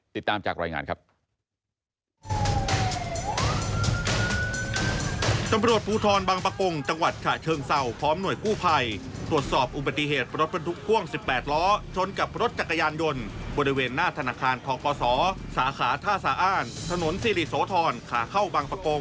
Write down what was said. ติดตามจากรายงานครับ